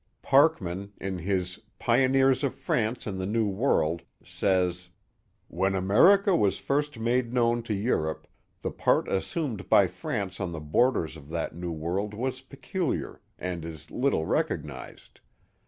Parkman, in his Pioneers of France in the New Worlds says: When America was first made known to Europe, the part assumed by France on the borders of that new world was peculiar, and is little recognized.